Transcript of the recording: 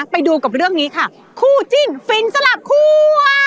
ไปดูกับเรื่องนี้ค่ะคู่จิ้นฟินสลับคั่ว